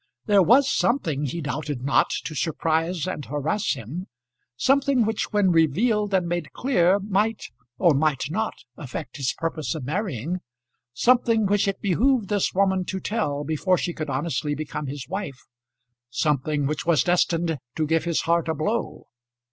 There was something, he doubted not, to surprise and harass him, something which when revealed and made clear might, or might not, affect his purpose of marrying, something which it behoved this woman to tell before she could honestly become his wife, something which was destined to give his heart a blow.